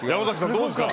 どうですか？